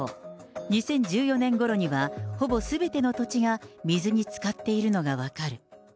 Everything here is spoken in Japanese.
２０１４年ごろには、ほぼすべての土地が水につかっているのが分かる。